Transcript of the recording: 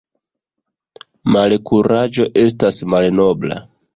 Malkuraĝo estas malnobla.